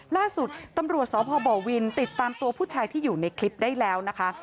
ล่าสุดตำรวจสพบวินติดตามตัวผู้ชายที่อยู่ในคลิปได้แล้วนะคะ